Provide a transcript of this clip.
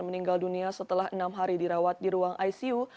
meninggal dunia setelah enam hari dirawat di ruang icu